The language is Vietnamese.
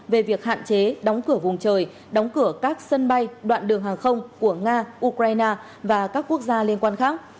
về việc hạn chế đóng cửa vùng trời đóng cửa các sân bay đoạn đường hàng không của nga ukraine và các quốc gia liên quan khác